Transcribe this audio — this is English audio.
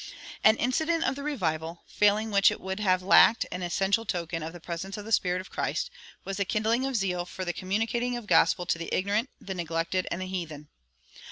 [179:1] An incident of the revival, failing which it would have lacked an essential token of the presence of the Spirit of Christ, was the kindling of zeal for communicating the gospel to the ignorant, the neglected, and the heathen.